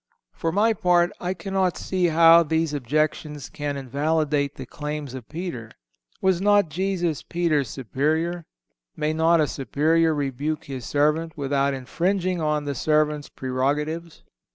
For my part I cannot see how these objections can invalidate the claims of Peter. Was not Jesus Peter's superior? May not a superior rebuke his servant without infringing on the servant's prerogatives?